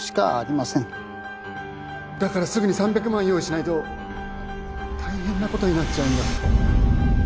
だからすぐに３００万用意しないと大変なことになっちゃうんだ。